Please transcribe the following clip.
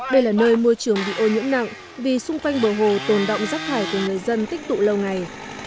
đây là nơi môi trường bị ô nhũng nặng vì xung quanh bờ hồ tồn động rắc hải của người dân tích tụ lâu ngày